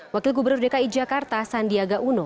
wakil gubernur dki jakarta sandiaga uno